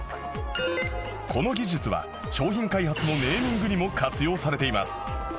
この技術は商品開発のネーミングにも活用されています